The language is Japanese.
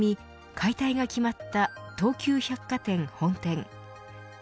解体が決まった東急百貨店本店。